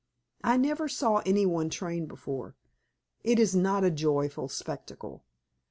I never saw any one train before. It is not a joyful spectacle.